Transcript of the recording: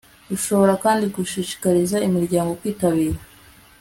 ushobora kandi gushishikariza imiryango kwitabira